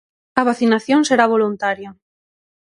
A vacinación será voluntaria.